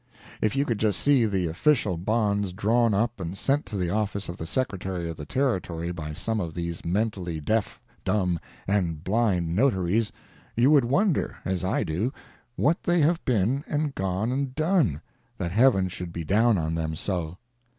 ] If you could just see the official bonds drawn up and sent to the office of the Secretary of the Territory by some of these mentally deaf, dumb and blind Notaries, you would wonder, as I do, what they have been and gone and done, that Heaven should be down on them so.